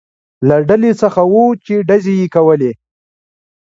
له ډلې څخه و، چې ډزې یې کولې.